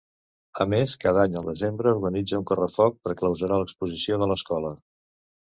A més, cada any, al desembre, organitza un correfoc per clausurar l'exposició de l'escola.